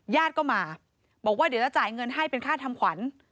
ญาติก็มาบอกว่าเดี๋ยวจะจ่ายเงินให้เป็นค่าทำขวัญ